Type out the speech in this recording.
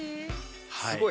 すごい。